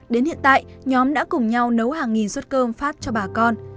đến hiện tại nhóm đã cùng nhau nấu hàng nghìn suất cơm phát cho bà con